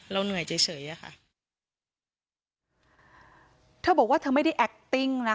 เหนื่อยเฉยเฉยอะค่ะเธอบอกว่าเธอไม่ได้แอคติ้งนะ